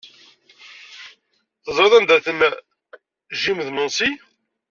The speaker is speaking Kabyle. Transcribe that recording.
Teẓriḍ anda-ten Jim d Nancy?